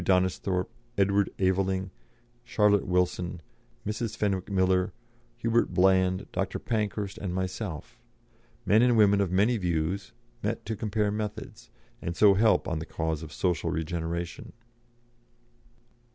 Donnisthorpe, Edward Aveling, Charlotte Wilson, Mrs. Fenwick Miller, Hubert Bland, Dr. Pankhurst, and myself men and women of many views, met to compare methods, and so help on the cause of social regeneration.